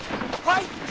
はい！